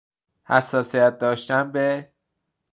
حساسیت داشتن به